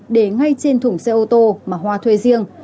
để ngay trên thùng xe ô tô mà hoa thuê riêng